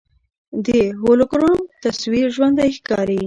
د هولوګرام تصویر ژوندی ښکاري.